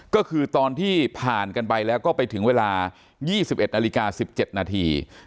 ก็คือตอนที่ผ่านกันไปแล้วก็ไปถึงเวลา๒๑นาฬิกา๑๗นาที